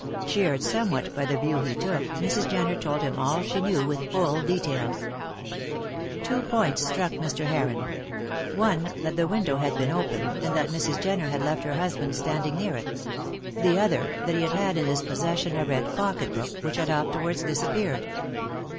Cheered somewhat by the view he took, Mrs. Jenner told him all she knew with full details. Two points struck Mr. Heron one that the window had been open and that Mrs. Jenner had left her husband standing near it; the other that he had had in his possession a red pocket book which had afterwards disappeared.